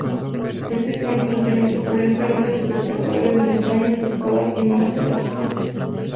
Este parque montañoso presenta vistas espectaculares de montañas, cascadas y manantiales.